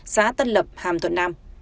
xã tân lập hàm thuận nam